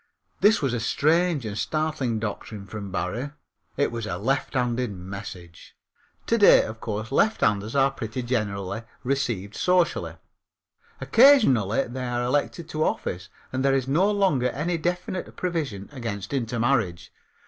This was a strange and startling doctrine from Barrie. It was a lefthanded message. To day, of course, lefthanders are pretty generally received socially; occasionally they are elected to office, and there is no longer any definite provision against intermarriage.